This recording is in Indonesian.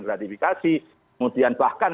gratifikasi kemudian bahkan